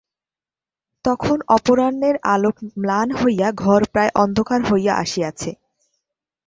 তখন অপরাহ্ণের আলোক ম্লান হইয়া ঘর প্রায় অন্ধকার হইয়া আসিয়াছে।